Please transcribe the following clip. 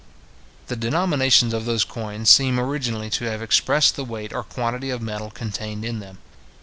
The denominations of those coins seem originally to have expressed the weight or quantity of metal contained in them.